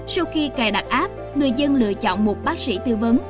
sau khi cài đặt app người dân lựa chọn một bác sĩ tư vấn